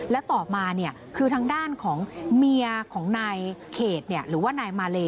และต่อมาคือทางด้านของเมียของนายเขตหรือว่านายมาเล